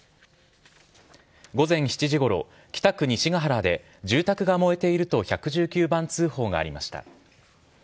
午前７時ごろ、北区西ヶ原で、住宅が燃えていると１１９番通報がありました。